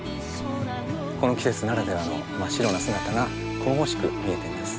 この季節ならではの真っ白な姿が神々しく見えています。